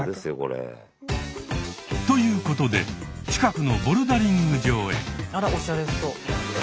ということで近くのボルダリング場へ。